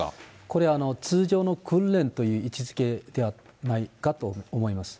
これ、通常の訓練という位置づけではないかと思います。